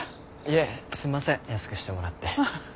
いえすみません安くしてもらって。